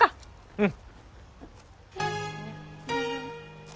うん。